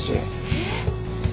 えっ。